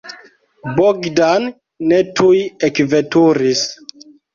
Bogdan ne tuj ekveturis.